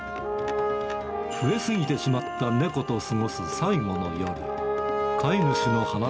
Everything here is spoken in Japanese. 増え過ぎてしまった猫と過ごす最後の夜。